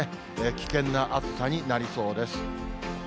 危険な暑さになりそうです。